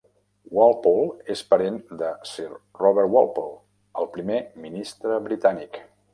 Walpole és parent de Sir Robert Walpole, el primer ministre britànic.